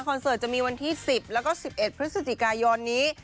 เสิร์ตจะมีวันที่๑๐แล้วก็๑๑พฤศจิกายนนี้